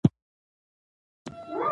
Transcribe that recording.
دلته سینه کې دی د زړه غوندې درزېږي وطن